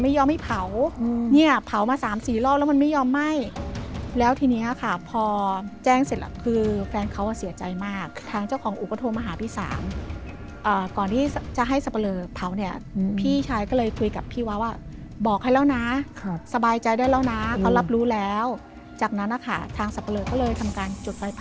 ยอมให้เผาเนี่ยเผามาสามสี่รอบแล้วมันไม่ยอมไหม้แล้วทีนี้ค่ะพอแจ้งเสร็จแล้วคือแฟนเขาอ่ะเสียใจมากทางเจ้าของอู่ก็โทรมาหาพี่สามก่อนที่จะให้สับปะเลอเผาเนี่ยพี่ชายก็เลยคุยกับพี่ว่าว่าบอกให้แล้วนะสบายใจได้แล้วนะเขารับรู้แล้วจากนั้นนะคะทางสับปะเลอก็เลยทำการจุดไฟตัด